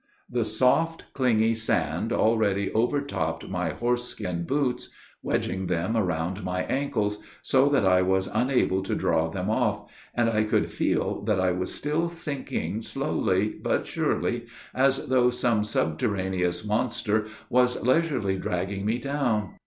The soft, clingy sand already overtopped my horse skin boots, wedging them around my ankles, so that I was unable to draw them off; and I could feel that I was still sinking slowly but surely, as though some subterraneous monster was leisurely dragging me down.